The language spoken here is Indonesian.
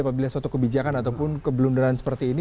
apabila suatu kebijakan ataupun kebelundaran seperti ini